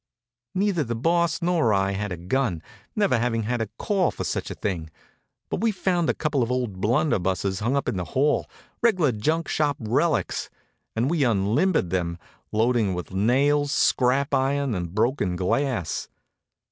Neither the Boss nor I had a gun, never having had a call for such a thing, but we found a couple of old blunderbusses hung up in the hall, reg'lar junkshop relics, and we unlimbered them, loading with nails, scrap iron, and broken glass.